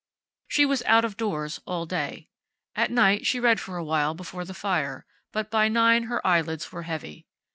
She was out of doors all day. At night she read for a while before the fire, but by nine her eyelids were heavy.